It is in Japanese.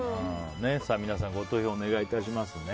皆さん、ご投票お願いします。